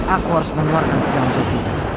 aku harus mengeluarkan pedang zofia